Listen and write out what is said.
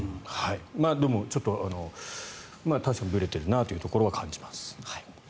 でも、ちょっと確かにぶれているなというところは感じます。